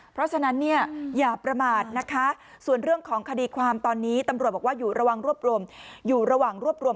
เพราะฉะนั้นอย่าประมาทนะคะส่วนเรื่องของคดีความตอนนี้ตำรวจบอกว่าอยู่ระหว่างรวบรวม